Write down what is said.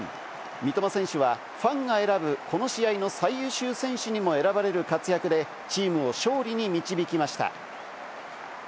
三笘選手はファンが選ぶこの試合の最優秀選手にも選ばれる活躍でチームを勝利に導きました。